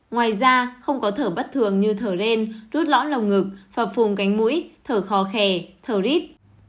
ngoài ra không có thở bất thường như thở ren rút lõn lồng ngực phập phùng cánh mũi thở khó khè thở rít